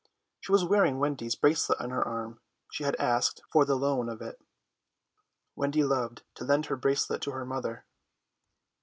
She was wearing Wendy's bracelet on her arm; she had asked for the loan of it. Wendy loved to lend her bracelet to her mother.